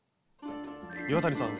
岩谷さん